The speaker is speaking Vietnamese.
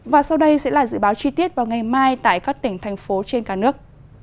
và sau đây sẽ là dự báo chi tiết vào ngày mai tại các tỉnh thành phố trên cả nước